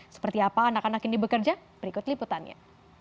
seperti apa anak anak ini bekerja berikut liputannya